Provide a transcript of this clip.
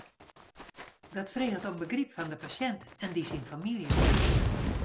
Dat freget om begryp fan de pasjint en dy syn famylje.